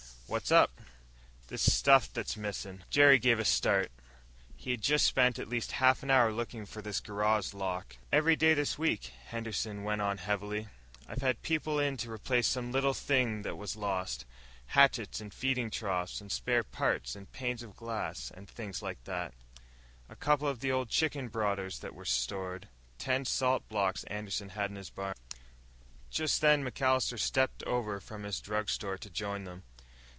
"What's up?" "This stuff that's missin'." Jerry gave a start. He had just spent at least half an hour looking for this garage lock. "Every day of this week," Henderson went on heavily, "I've had people in to replace some little thing that was lost. Hatchets and feeding troughs and spare parts and panes of glass and things like that. A couple of old chicken brooders that was stored. Ten salt blocks Anderson had in his barn." Just then MacAllister stepped over from his drugstore to join them.